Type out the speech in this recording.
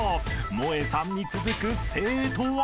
［もえさんに続く生徒は？］